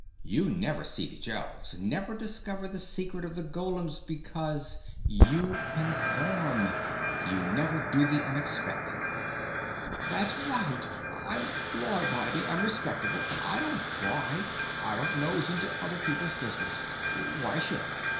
You never see the Gels, never discover the secret of the golems because you conform. You never do the unexpected." "That's right. I'm law abiding. I'm respectable. I don't pry. I don't nose into other people's business. Why should I?